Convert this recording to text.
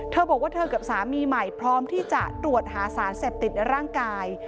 เธอบอกว่าเธอกับสามีใหม่พร้อมที่จะตรวจหาสารเสพติดในร่างกาย